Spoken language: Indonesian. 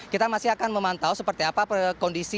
kita masih akan memantau seperti apa kondisi